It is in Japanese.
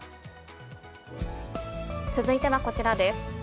続いてはこちらです。